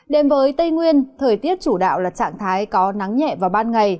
đến với tây nguyên thời tiết chủ đạo là trạng thái có nắng nhẹ vào ban ngày